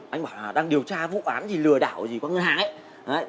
anh bảo là đang điều tra vụ án gì lừa đảo gì qua ngân hàng ấy